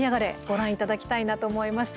ご覧いただきたいなと思います。